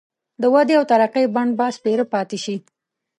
د ودې او ترقۍ بڼ به سپېره پاتي شي.